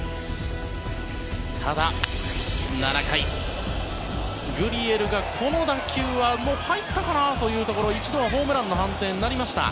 ただ、７回グリエルが、この打球は入ったかなというところ一度はホームランの判定になりました。